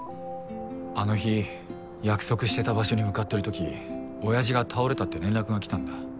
あの日約束してた場所に向かってるとき親父が倒れたって連絡が来たんだ。